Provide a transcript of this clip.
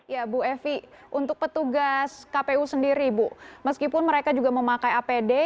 ya bu evi untuk petugas kpu sendiri bu meskipun mereka juga memakai apd